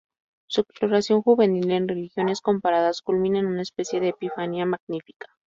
Su exploración juvenil en religiones comparadas culmina en una especie de epifanía magnífica.